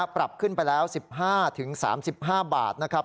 ปรับขึ้นไปแล้ว๑๕๓๕บาทนะครับ